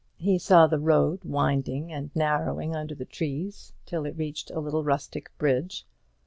He saw the road winding and narrowing under the trees till it reached a little rustic bridge.